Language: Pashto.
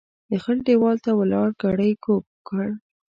د خړ ديوال ته ولاړ ګړی کوږ کړ.